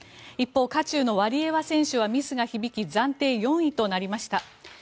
一方、渦中のワリエワ選手はミスが響き暫定４位となりました。